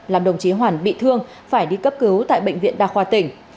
làm đồng chí hoàn bị thương phải đi cấp cứu tại bệnh viện đa khoa tỉnh